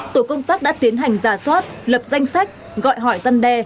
tội công tác đã tiến hành giả soát lập danh sách gọi hỏi gian đe